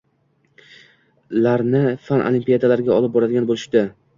larni fan olimpiadalariga olib boradigan boʻlishdi.